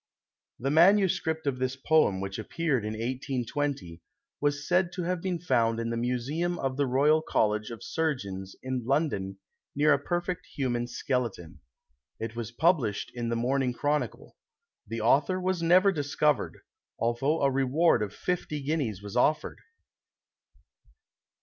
[The MS. of this poem, which appeared in 1820, was said to have been found in the Museum of the Royal College of Surgeons, in London, near a perfect human skeleton. It was published in the Morning Chronicle. The author was never discovered, although a reward of fifty guineas was offered.